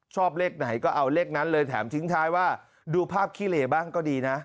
ชอบเลขไหนก็เอาเลขนั้นเลยแถมทิ้งท้ายว่าดูภาพขี้เหลบ้างก็ดีนะ